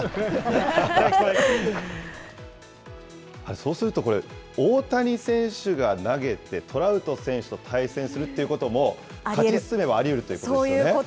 そうするとこれ、大谷選手が投げて、トラウト選手と対戦するっていうことも、勝ち進めばありうるということですよね。